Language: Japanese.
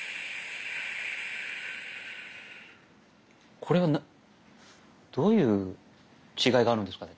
これはどういう違いがあるんですかね？